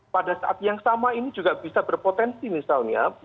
pada saat yang sama ini juga bisa berpotensi misalnya